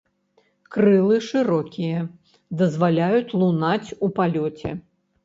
Крылы шырокія, дазваляюць лунаць у палёце.